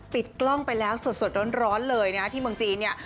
ปิดกล้องไปแล้วสดร้อนเลยนะที่เมืองจีนเนี่ย